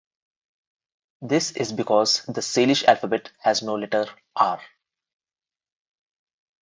This is because the Salish alphabet has no letter "r".